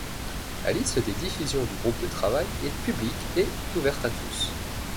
La liste de diffusion du groupe de travail est publique et ouverte à tous.